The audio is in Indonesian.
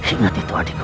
ingat itu adikku